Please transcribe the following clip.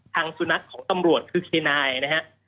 สุนัขของตำรวจคือเคนายนะฮะ